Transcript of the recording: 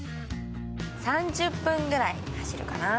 ３０分くらい走るかな。